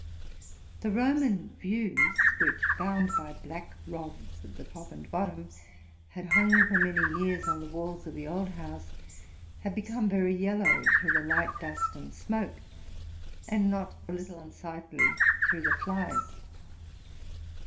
The Roman views, which, bound by black rods at the top and bottom. had hung for many years on the walls of the old house, had become very yellow through the light, dust, and smoke, and not a little unsightly through the flies.